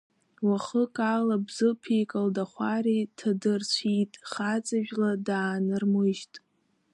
Уахык ала Бзыԥи Калдахәареи ҭадырцәит, хаҵа жәла даанырмыжьит.